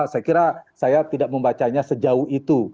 saya kira saya tidak membacanya sejauh itu